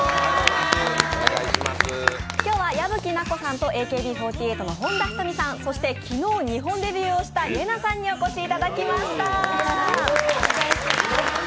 今日は矢吹奈子さんとＡＫＢ４８の本田仁美さん、そして昨日日本デビューをしたイェナさんにお越しいただきました。